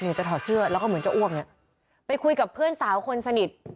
จะถอดเสื้อแล้วก็เหมือนจะอ้วกเนี่ยไปคุยกับเพื่อนสาวคนสนิท